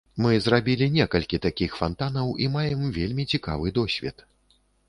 Мы зрабілі некалькі такіх фантанаў і маем вельмі цікавы досвед.